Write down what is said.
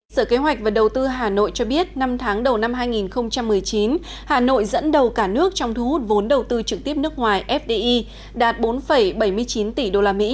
sở kế hoạch và đầu tư hà nội cho biết năm tháng đầu năm hai nghìn một mươi chín hà nội dẫn đầu cả nước trong thu hút vốn đầu tư trực tiếp nước ngoài fdi đạt bốn bảy mươi chín tỷ usd